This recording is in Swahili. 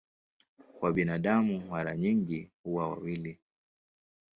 Kwa binadamu mara nyingi huwa wawili.